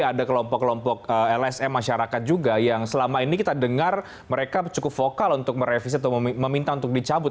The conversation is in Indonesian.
ada kelompok kelompok lsm masyarakat juga yang selama ini kita dengar mereka cukup vokal untuk merevisi atau meminta untuk dicabut